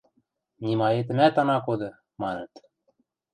– Нимаэтӹмӓт ана коды! – маныт.